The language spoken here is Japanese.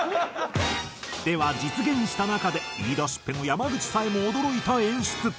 では実現した中で言い出しっぺの山口さえも驚いた演出。